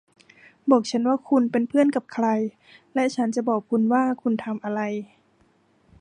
บอกฉันว่าคุณเป็นเพื่อนกับใครและฉันจะบอกคุณว่าคุณทำอะไร